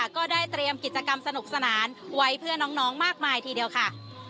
ก็ได้เตรียมกิจกรรมสนุกสนานไว้เพื่อน้องมากมายทีเดียวค่ะ